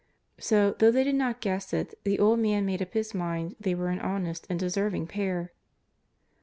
So, though they did not guess it, the old man made up his mind they were an honest and deserving pair.